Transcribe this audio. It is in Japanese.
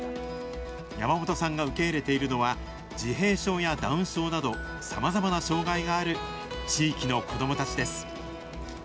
山本さんが受け入れているのは、自閉症やダウン症など、さまざまな障害がある地域の子どもたちです。